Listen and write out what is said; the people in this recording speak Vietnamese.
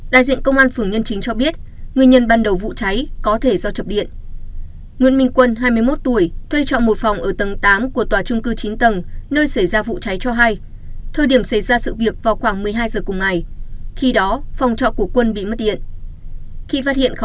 đại diện công an phường nhân chính cho biết nguyên nhân ban đầu vụ cháy có thể do chập điện